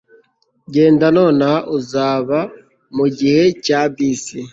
genda nonaha uzaba mugihe cya bisi